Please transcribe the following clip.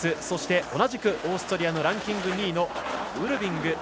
そして、同じくオーストリアのランキング２位のウルビング。